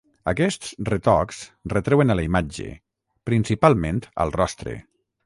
Aquests retocs retreuen a la imatge, principalment al Rostre.